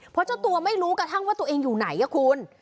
เพราะเจ้าตัวไม่รู้กระทั่งว่าตัวเองอยู่ไหนคุณ